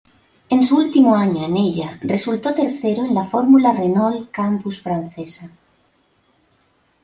En su último año en ella, resultó tercero en la Fórmula Renault Campus Francesa.